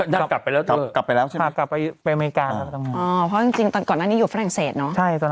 นางกลับไปแล้วสั่ว